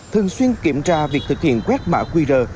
thường xuyên kiểm tra việc thực hiện quét mã qr